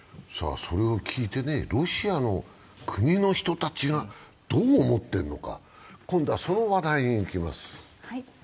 それを聞いてロシアの国の人たちがどう思っているのか、今度はその話題にいきます。